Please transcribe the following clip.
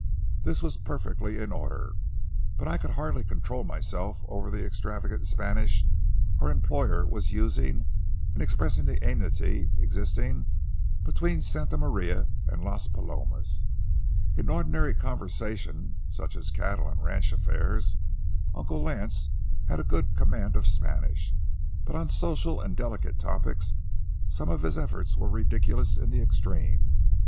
This was perfectly in order, but I could hardly control myself over the extravagant Spanish our employer was using in expressing the amity existing between Santa Maria and Las Palomas. In ordinary conversation, such as cattle and ranch affairs, Uncle Lance had a good command of Spanish; but on social and delicate topics some of his efforts were ridiculous in the extreme.